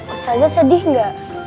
ustadzah sedih nggak